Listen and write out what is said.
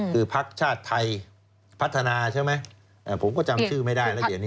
คือพักชาติไทยพัฒนาใช่ไหมผมก็จำชื่อไม่ได้แล้วเดี๋ยวนี้